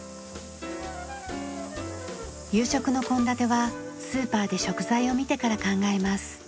夕食の献立はスーパーで食材を見てから考えます。